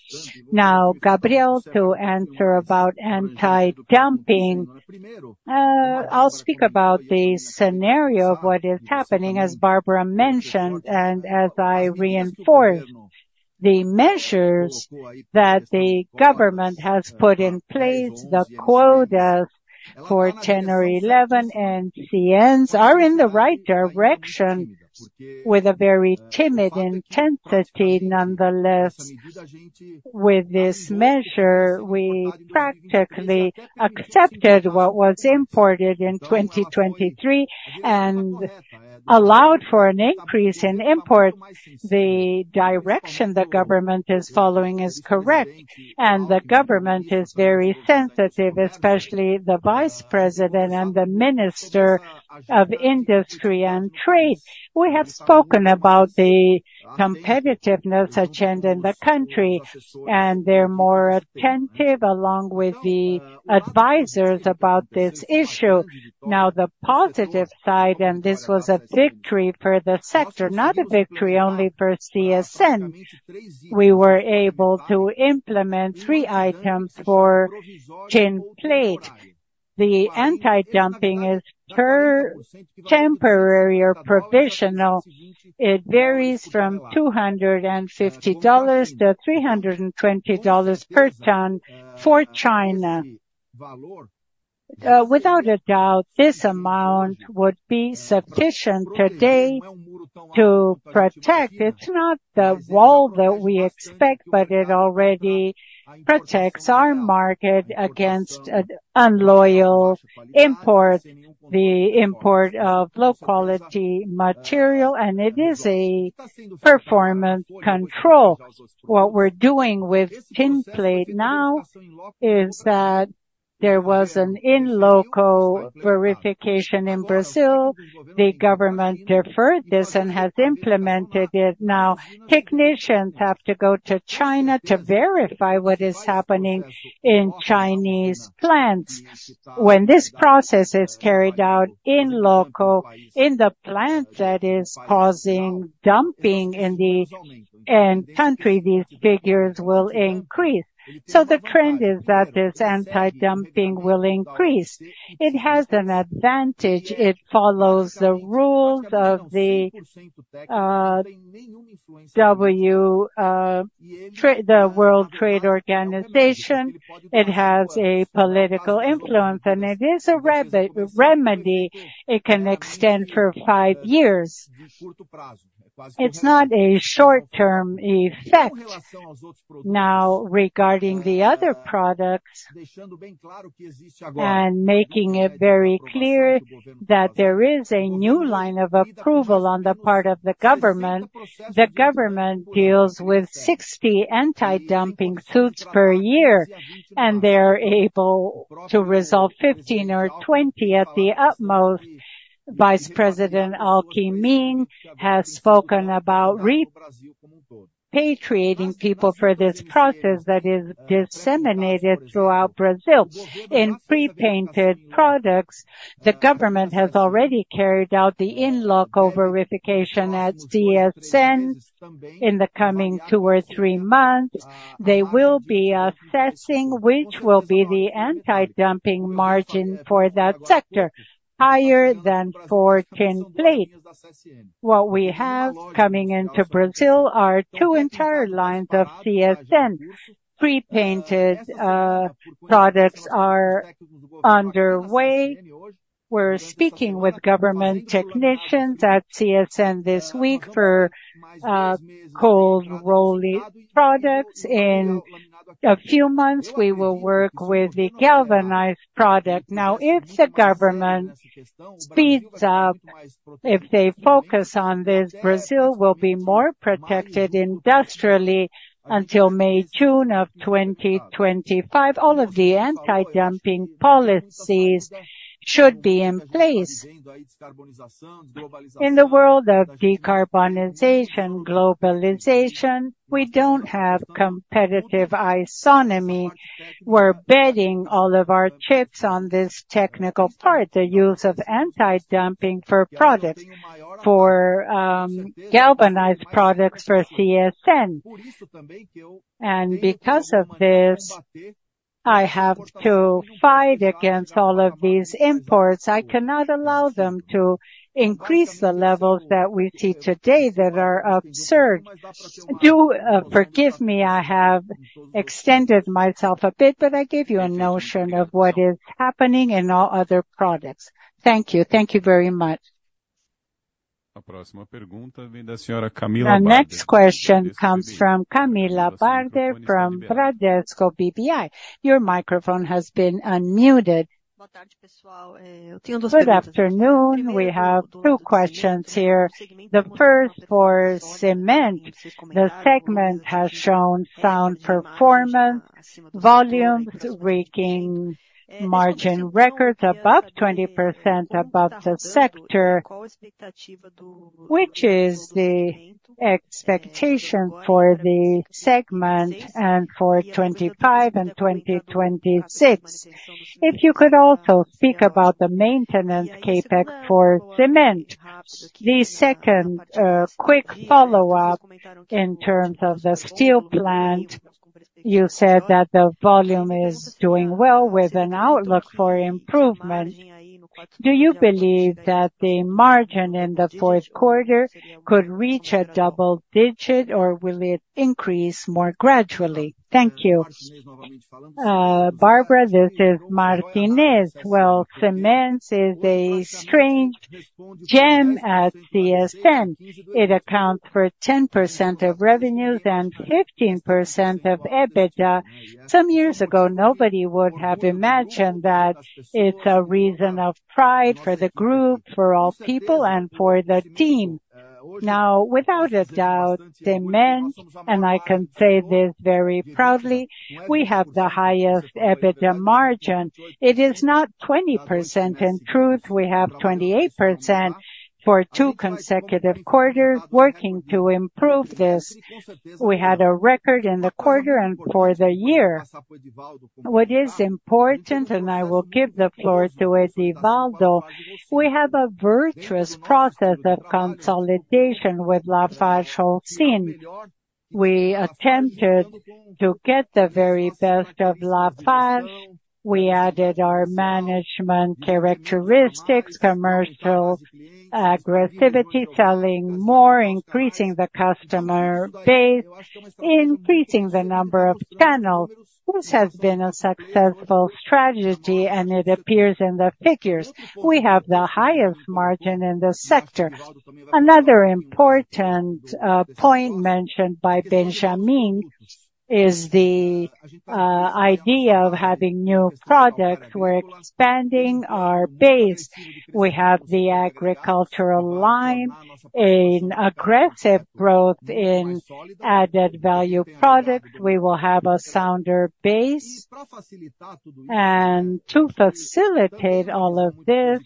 Now, Gabriel, to answer about anti-dumping, I'll speak about the scenario of what is happening, as Bárbara mentioned, and as I reinforced the measures that the government has put in place. The quotas for 10 or 11 NCMs are in the right direction with a very timid intensity nonetheless. With this measure, we practically accepted what was imported in 2023 and allowed for an increase in imports. The direction the government is following is correct, and the government is very sensitive, especially the Vice President and the Minister of Industry and Trade. We have spoken about the competitiveness agenda in the country, and they're more attentive along with the advisors about this issue. Now, the positive side, and this was a victory for the sector, not a victory only for CSN. We were able to implement three items for tin plate. The anti-dumping is preliminary, temporary, or provisional. It varies from $250 to $320 per ton for China. Without a doubt, this amount would be sufficient today to protect. It's not the wall that we expect, but it already protects our market against unfair imports, the import of low-quality material, and it is a performance control. What we're doing with tin plate now is that there was an in loco verification in Brazil. The government deferred this and has implemented it. Now, technicians have to go to China to verify what is happening in Chinese plants. When this process is carried out in loco, in the plant that is causing dumping in the end country, these figures will increase. So the trend is that this anti-dumping will increase. It has an advantage. It follows the rules of the World Trade Organization. It has a political influence, and it is a remedy. It can extend for five years. It's not a short-term effect. Now, regarding the other products and making it very clear that there is a new line of approval on the part of the government, the government deals with 60 anti-dumping suits per year, and they are able to resolve 15 or 20 at the utmost. Vice President Alckmin has spoken about repatriating people for this process that is disseminated throughout Brazil in pre-painted products. The government has already carried out the in loco verification at CSN in the coming two or three months. They will be assessing which will be the anti-dumping margin for that sector, higher than for tin plate. What we have coming into Brazil are two entire lines of CSN. Pre-painted products are underway. We're speaking with government technicians at CSN this week for cold rolled products. In a few months, we will work with the galvanized product. Now, if the government speeds up, if they focus on this, Brazil will be more protected industrially until May, June of 2025. All of the anti-dumping policies should be in place. In the world of decarbonization, globalization, we don't have competitive isonomy. We're betting all of our chips on this technical part, the use of anti-dumping for products, for galvanized products for CSN. And because of this, I have to fight against all of these imports. I cannot allow them to increase the levels that we see today that are absurd. Forgive me, I have extended myself a bit, but I gave you a notion of what is happening in all other products. Thank you. Thank you very much. Our next question comes from Camilla Barder from Bradesco BBI. Your microphone has been unmuted. Good afternoon. We have two questions here. The first for cement. The segment has shown sound performance, volumes reaching margin records above 20% above the sector, which is the expectation for the segment and for 25 and 2026. If you could also speak about the maintenance CapEx for cement. The second quick follow-up in terms of the steel plant, you said that the volume is doing well with an outlook for improvement. Do you believe that the margin in the fourth quarter could reach a double digit, or will it increase more gradually? Thank you. Bárbara, this is Martinez. Well, cement is a strange gem at CSN. It accounts for 10% of revenues and 15% of EBITDA. Some years ago, nobody would have imagined that it's a reason of pride for the group, for all people, and for the team. Now, without a doubt, cement, and I can say this very proudly, we have the highest EBITDA margin. It is not 20%, in truth. We have 28% for two consecutive quarters, working to improve this. We had a record in the quarter and for the year. What is important, and I will give the floor to Edvaldo Rabelo, we have a virtuous process of consolidation with LafargeHolcim. We attempted to get the very best of Lafarge. We added our management characteristics, commercial aggressivity, selling more, increasing the customer base, increasing the number of channels, which has been a successful strategy, and it appears in the figures. We have the highest margin in the sector. Another important point mentioned by Benjamin is the idea of having new products. We're expanding our base. We have the agricultural line, an aggressive growth in added value products. We will have a sounder base, and to facilitate all of this,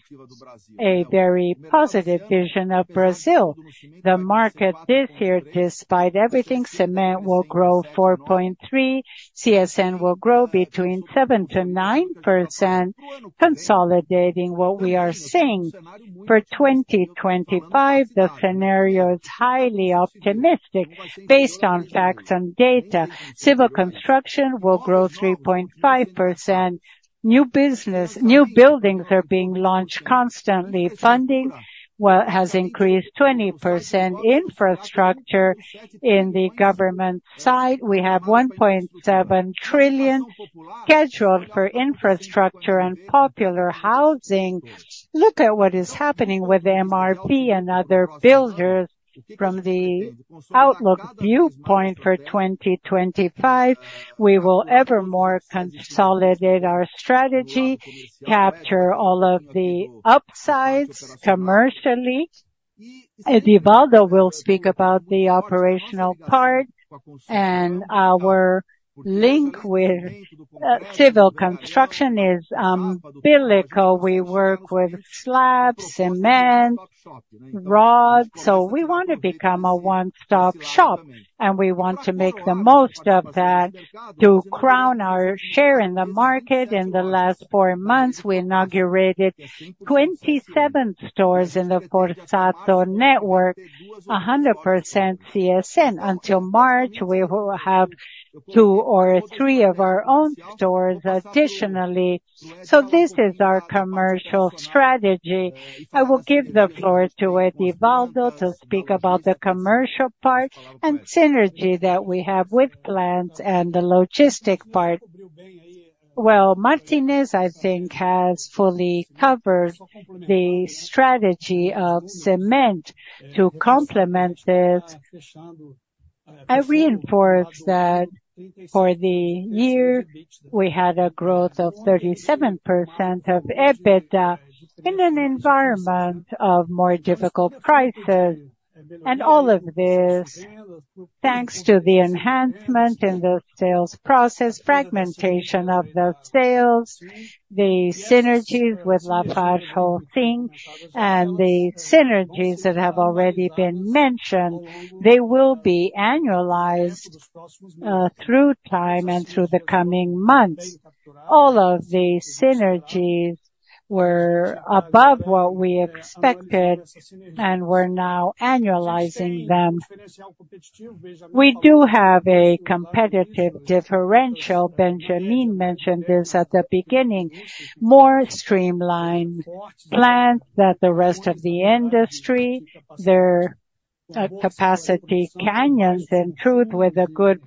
a very positive vision of Brazil. The market this year, despite everything, cement will grow 4.3%. CSN will grow between 7% to 9%, consolidating what we are seeing. For 2025, the scenario is highly optimistic based on facts and data. Civil construction will grow 3.5%. New buildings are being launched constantly. Funding has increased 20%. Infrastructure in the government side, we have 1.7 trillion scheduled for infrastructure and popular housing. Look at what is happening with MRV and other builders from the outlook viewpoint for 2025. We will evermore consolidate our strategy, capture all of the upsides commercially. Edvaldo Rabelo will speak about the operational part, and our link with civil construction is umbilical. We work with slabs, cement, rods. So we want to become a one-stop shop, and we want to make the most of that to crown our share in the market. In the last four months, we inaugurated 27 stores in the Fortaço network, 100% CSN. Until March, we will have two or three of our own stores additionally. So this is our commercial strategy. I will give the floor to Edvaldo Rabelo to speak about the commercial part and synergy that we have with plants and the logistic part. Martinez, I think, has fully covered the strategy of cement to complement this. I reinforce that for the year, we had a growth of 37% of EBITDA in an environment of more difficult prices. All of this, thanks to the enhancement in the sales process, fragmentation of the sales, the synergies with LafargeHolcim, and the synergies that have already been mentioned, they will be annualized through time and through the coming months. All of the synergies were above what we expected and we're now annualizing them. We do have a competitive differential. Benjamin mentioned this at the beginning: more streamlined plants than the rest of the industry. They're capacity champions in truth with a good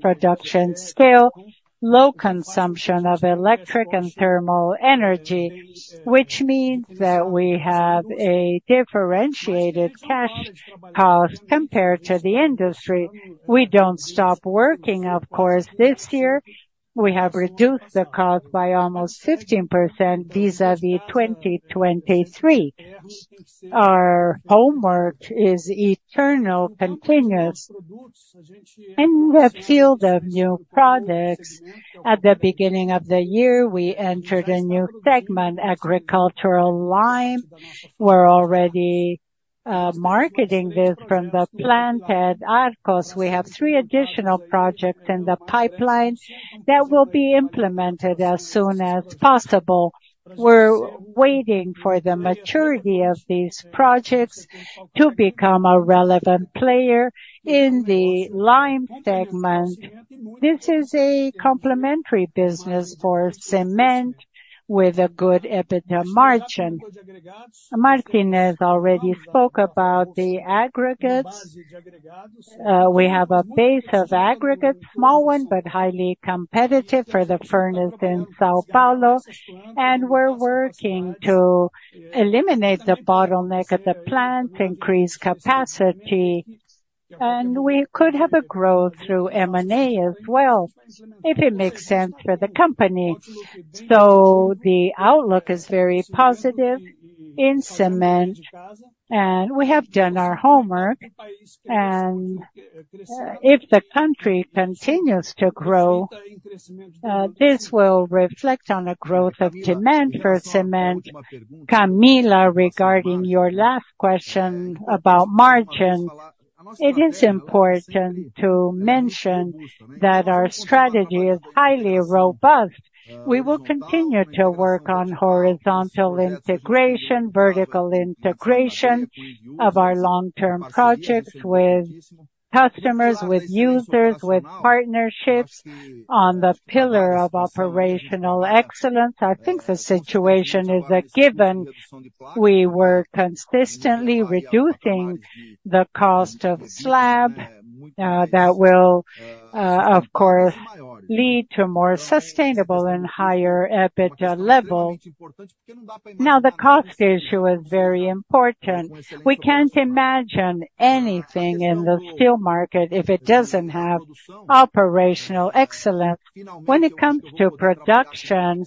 production scale, low consumption of electric and thermal energy, which means that we have a differentiated cash cost compared to the industry. We don't stop working, of course, this year. We have reduced the cost by almost 15% vis-à-vis 2023. Our homework is eternal, continuous. In the field of new products, at the beginning of the year, we entered a new segment, agricultural line. We're already marketing this from the plant at Arcos. We have three additional projects in the pipeline that will be implemented as soon as possible. We're waiting for the maturity of these projects to become a relevant player in the lime segment. This is a complementary business for cement with a good EBITDA margin. Martinez already spoke about the aggregates. We have a base of aggregates, small one, but highly competitive for the furnace in São Paulo. We're working to eliminate the bottleneck at the plant, increase capacity, and we could have a growth through M&A as well, if it makes sense for the company. The outlook is very positive in cement, and we have done our homework. If the country continues to grow, this will reflect on a growth of demand for cement. Camilla, regarding your last question about margin, it is important to mention that our strategy is highly robust. We will continue to work on horizontal integration, vertical integration of our long-term projects with customers, with users, with partnerships on the pillar of operational excellence. I think the situation is a given. We were consistently reducing the cost of slab. That will, of course, lead to more sustainable and higher EBITDA levels. Now, the cost issue is very important. We can't imagine anything in the steel market if it doesn't have operational excellence. When it comes to production,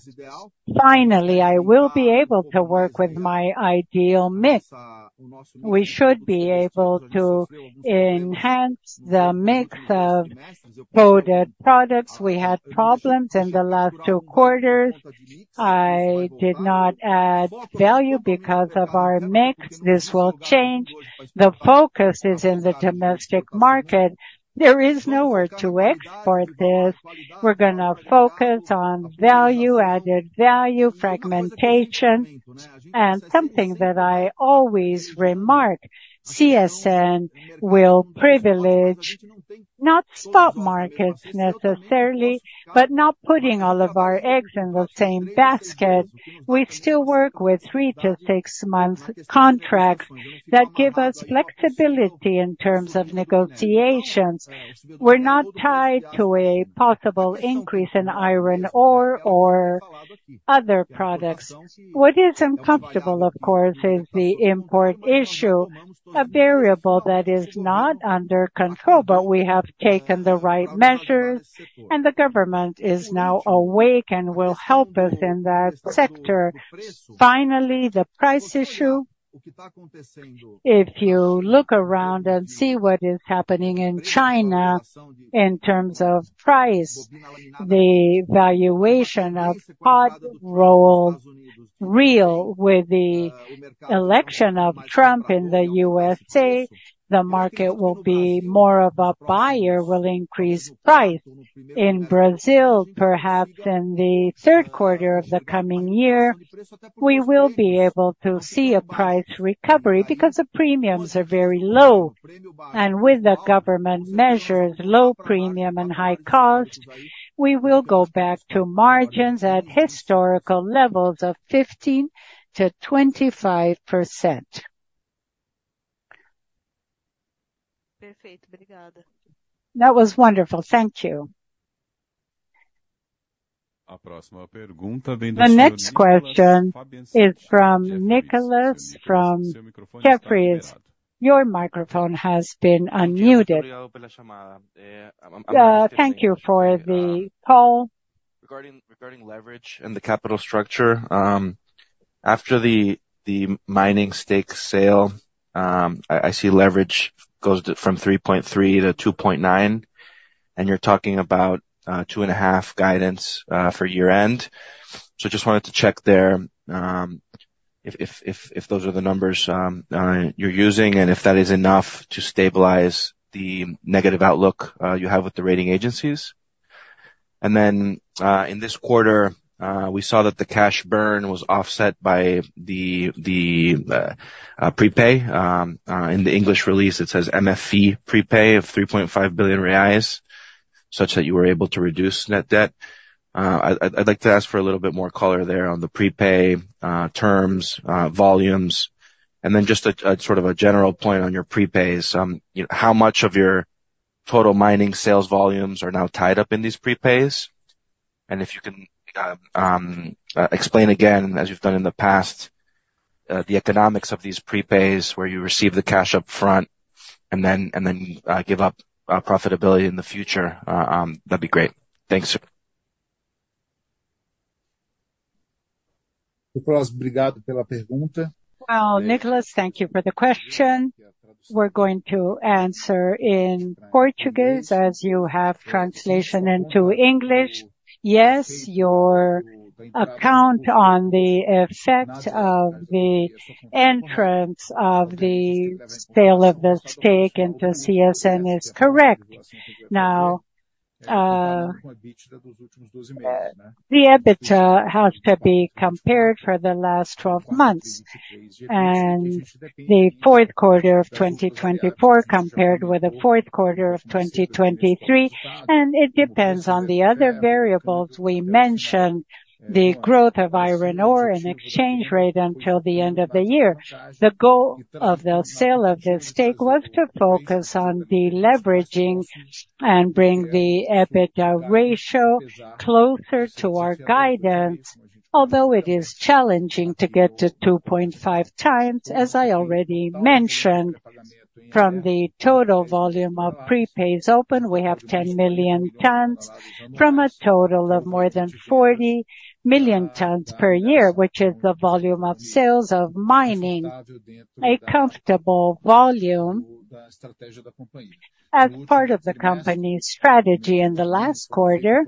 finally, I will be able to work with my ideal mix. We should be able to enhance the mix of coated products. We had problems in the last two quarters. I did not add value because of our mix. This will change. The focus is in the domestic market. There is nowhere to export this. We're going to focus on value, added value, differentiation, and something that I always remark. CSN will privilege not spot markets necessarily, but not putting all of our eggs in the same basket. We still work with three to six months contracts that give us flexibility in terms of negotiations. We're not tied to a possible increase in iron ore or other products. What is uncomfortable, of course, is the import issue, a variable that is not under control, but we have taken the right measures, and the government is now awake and will help us in that sector. Finally, the price issue. If you look around and see what is happening in China in terms of price, the valuation of hot-rolled steel, with the election of Trump in the U.S., the market will be more of a buyer, will increase price. In Brazil, perhaps in the third quarter of the coming year, we will be able to see a price recovery because the premiums are very low. And with the government measures, low premium and high cost, we will go back to margins at historical levels of 15% to 25%. That was wonderful. Thank you. The next question is from Nicholas from Jefferies. Your microphone has been unmuted. Thank you for the call. Regarding leverage and the capital structure, after the mining stake sale, I see leverage goes from 3.3 to 2.9, and you're talking about two and a half guidance for year-end. So I just wanted to check there if those are the numbers you're using and if that is enough to stabilize the negative outlook you have with the rating agencies. And then in this quarter, we saw that the cash burn was offset by the prepay. In the English release, it says MFT prepay of 3.5 billion reais, such that you were able to reduce net debt. I'd like to ask for a little bit more color there on the prepay terms, volumes, and then just a sort of a general point on your prepays. How much of your total mining sales volumes are now tied up in these prepays? And if you can explain again, as you've done in the past, the economics of these prepays where you receive the cash upfront and then give up profitability in the future, that'd be great. Thanks. Nicholas, thank you for the question. We're going to answer in Portuguese as you have translation into English. Yes, your take on the effect of the announcement of the sale of the stake in CSN is correct. Now, the EBITDA has to be compared for the last 12 months and the fourth quarter of 2024 compared with the fourth quarter of 2023. It depends on the other variables we mentioned, the growth of iron ore and exchange rate until the end of the year. The goal of the sale of this stake was to focus on deleveraging and bring the EBITDA ratio closer to our guidance, although it is challenging to get to 2.5 times, as I already mentioned. From the total volume of prepays open, we have 10 million tons from a total of more than 40 million tons per year, which is the volume of sales of mining, a comfortable volume. As part of the company's strategy in the last quarter,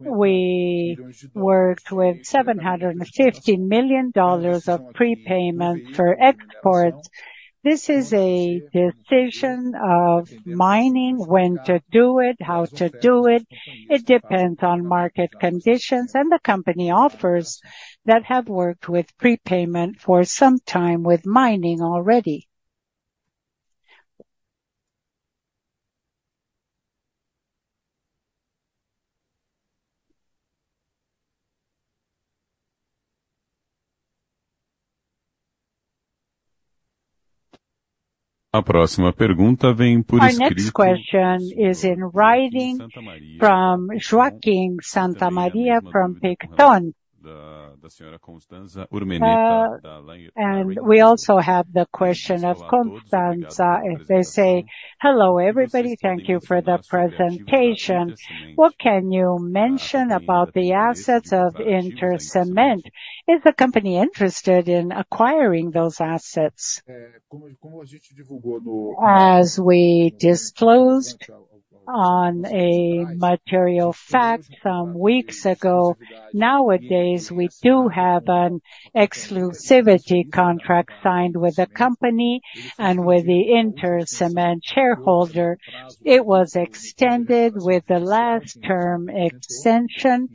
we worked with $750 million of prepayments for exports. This is a decision of mining, when to do it, how to do it. It depends on market conditions and the company offers that have worked with prepayment for some time with mining already. The next question is in writing from Joaquin Santa Maria from Picton. And we also have the question of Constanza. They say, "Hello, everybody. Thank you for the presentation. What can you mention about the assets of InterCement? Is the company interested in acquiring those assets? As we disclosed on a material fact some weeks ago, nowadays we do have an exclusivity contract signed with the company and with the InterCement shareholder. It was extended with the last term extension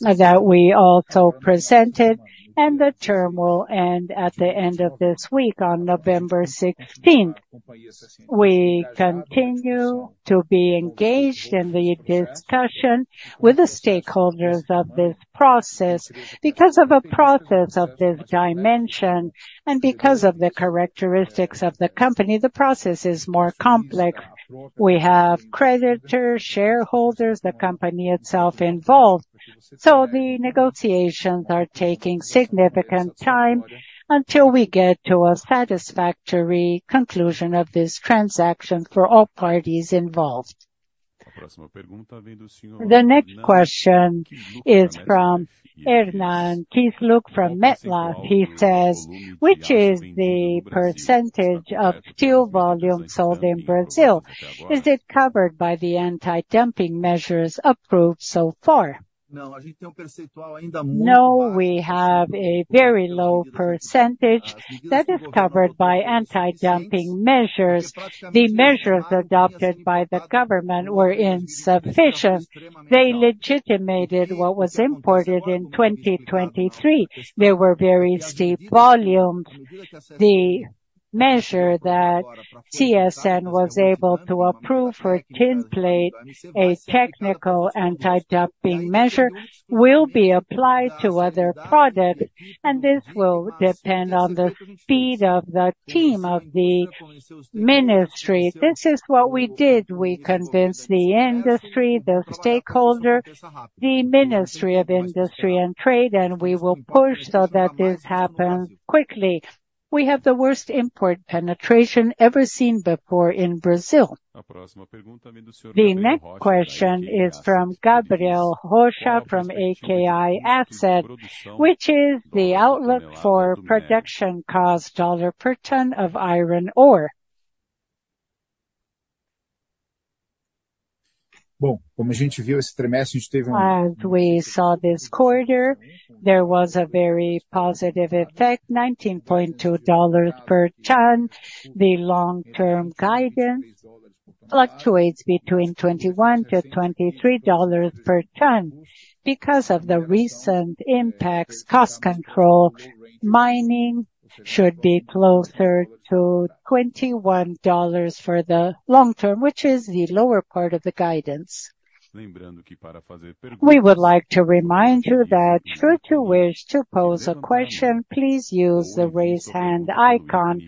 that we also presented, and the term will end at the end of this week on November 16th. We continue to be engaged in the discussion with the stakeholders of this process. Because of a process of this dimension and because of the characteristics of the company, the process is more complex. We have creditors, shareholders, the company itself involved. So the negotiations are taking significant time until we get to a satisfactory conclusion of this transaction for all parties involved. The next question is from Hernán Kisluk from MetLife. He says, "Which is the percentage of steel volume sold in Brazil? Is it covered by the anti-dumping measures approved so far?" No, we have a very low percentage that is covered by anti-dumping measures. The measures adopted by the government were insufficient. They legitimated what was imported in 2023. There were very steep volumes. The measure that CSN was able to approve for tin plate, a technical anti-dumping measure, will be applied to other products, and this will depend on the speed of the team of the ministry. This is what we did. We convinced the industry, the stakeholder, the Ministry of Industry and Trade, and we will push so that this happens quickly. We have the worst import penetration ever seen before in Brazil. The next question is from Gabriel Rocha from Ryo Asset, which is the outlook for production cost dollar per ton of iron ore. As we saw this quarter, there was a very positive effect, $19.2 per ton. The long-term guidance fluctuates between $21 to $23 per ton. Because of the recent impacts, cost control, mining should be closer to $21 for the long term, which is the lower part of the guidance. We would like to remind you that should you wish to pose a question, please use the raise hand icon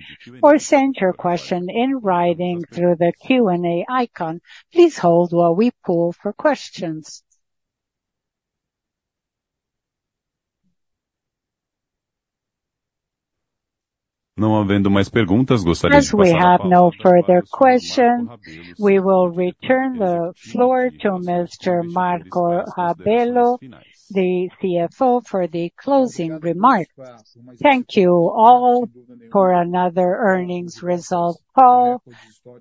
or send your question in writing through the Q&A icon. Please hold while we pull for questions. As we have no further questions, we will return the floor to Mr. Marco Rabelo, the CFO, for the closing remarks. Thank you all for another earnings result call.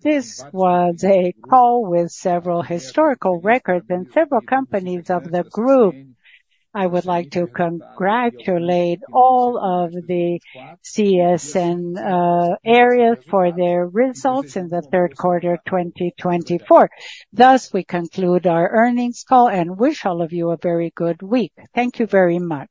This was a call with several historical records and several companies of the group. I would like to congratulate all of the CSN areas for their results in the third quarter of 2024. Thus, we conclude our earnings call and wish all of you a very good week. Thank you very much.